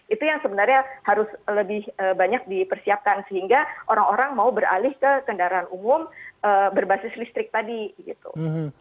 itu yang sebenarnya harus lebih banyak dipersiapkan sehingga orang orang mau beralih ke kendaraan umum berbasis listrik tadi gitu